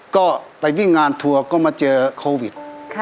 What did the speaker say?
ก็ไปวิ่งงานทัวร์ก็มาเจอโควิด